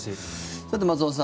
さて、松尾さん